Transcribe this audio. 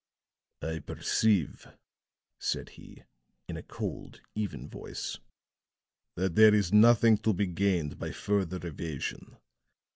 "I perceive," said he, in a cold, even voice, "that there is nothing to be gained by further evasion.